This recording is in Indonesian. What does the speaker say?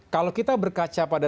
kalau kita berkaca pada